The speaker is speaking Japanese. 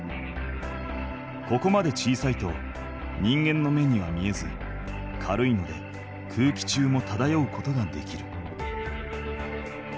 ここまで小さいと人間の目には見えず軽いので空気中もただようことができる。